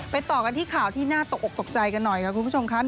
ต่อกันที่ข่าวที่น่าตกออกตกใจกันหน่อยค่ะคุณผู้ชมครับ